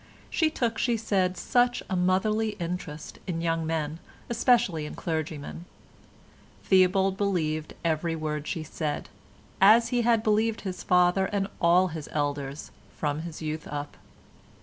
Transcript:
She took, she said, such a motherly interest in young men, especially in clergymen. Theobald believed every word she said, as he had believed his father and all his elders from his youth up.